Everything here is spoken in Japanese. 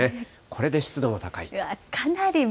これで湿度も高い。